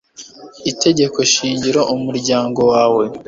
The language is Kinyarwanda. itegeko shingiro umuryango wawe